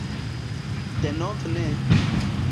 Denove ne!